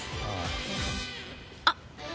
あっ！